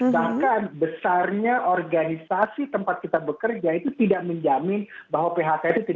bahkan besarnya organisasi tempat kita bekerja itu tidak menjamin bahwa phk itu tidak